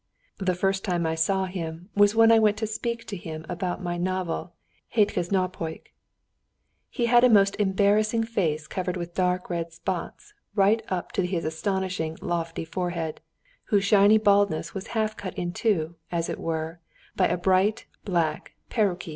The first time I saw him was when I went to speak to him about my novel, "Hétköznapok." He had a most embarrassing face covered with dark red spots right up to his astonishingly lofty forehead, whose shiny baldness was half cut in two, as it were, by a bright black peruke.